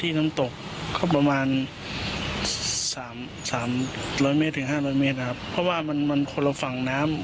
ที่น้ำตกก็ประมาณ๓๐๐๕๐๐เมตรเพราะว่ามันคนละฝั่งน้ำ